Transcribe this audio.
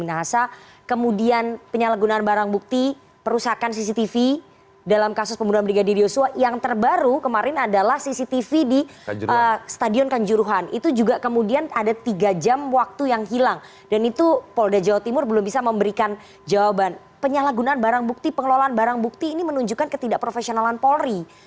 nah asal kemudian penyalahgunaan barang bukti perusakan cctv dalam kasus pembunuhan beriga di riosua yang terbaru kemarin adalah cctv di stadion kanjuruhan itu juga kemudian ada tiga jam waktu yang hilang dan itu polda jawa timur belum bisa memberikan jawaban penyalahgunaan barang bukti pengelolaan barang bukti ini menunjukkan ketidakprofesionalan polri